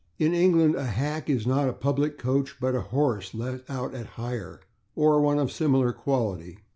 In England a /hack/ is not a public coach, but a horse let out at hire, or one of similar quality.